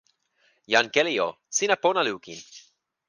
jan Keli o, sina pona lukin.